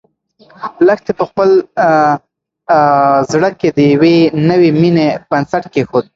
لښتې په خپل زړه کې د یوې نوې مېنې بنسټ کېښود.